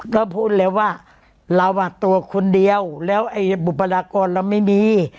ก็พูดแล้วว่าเราอ่ะตัวคนเดียวแล้วไอ้บุคลากรเราไม่มี